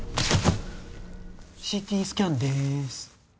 ＣＴスキャンです